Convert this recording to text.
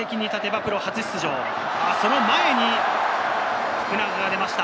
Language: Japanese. その前に福永が出ました。